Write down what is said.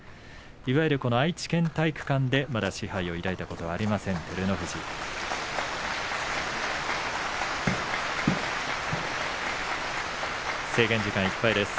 いわゆる愛知県体育館でまだ賜盃を抱いたことはありません、照ノ富士です。